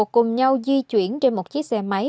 cùng nhau di chuyển trên một chiếc xe máy